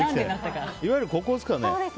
いわゆるここですかね？